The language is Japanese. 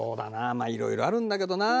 まあいろいろあるんだけどな。